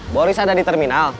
boris ada di terminal